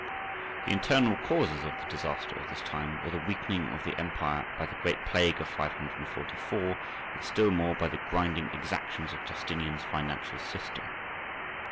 The internal causes of the disaster of this time were the weakening of the empire by the great plague of 544 and still more by the grinding exactions of Justinian's financial system.